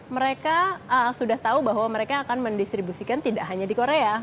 mereka sudah tahu bahwa mereka akan mendistribusikan tidak hanya di korea